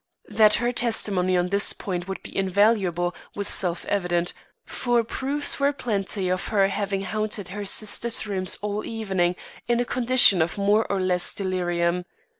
That her testimony on this point would be invaluable was self evident, for proofs were plenty of her having haunted her sister's rooms all the evening in a condition of more or less delirium.